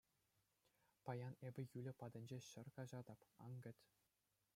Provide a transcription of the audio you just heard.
Паян эпӗ Юля патӗнче ҫӗр каҫатӑп, ан кӗт.